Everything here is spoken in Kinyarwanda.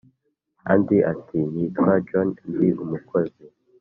undi ati”nitwa john ndi umukozi